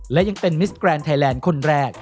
และยังเป็นมิสแกรนด์ไทยแลนด์คนแรก